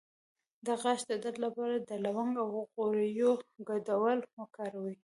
د غاښ د درد لپاره د لونګ او غوړیو ګډول وکاروئ